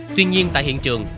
tuy nhiên tại hiện trường